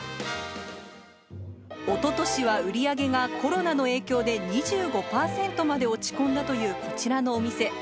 おととしは売り上げがコロナの影響で２５％まで落ち込んだというこちらのお店。